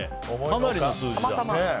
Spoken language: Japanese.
かなりの数字だ。